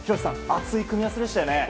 熱い組み合わせでしたよね。